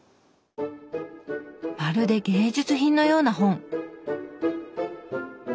まるで芸術品のような本。